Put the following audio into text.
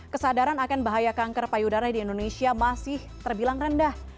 kesadaran akan bahaya kanker payudara di indonesia masih terbilang rendah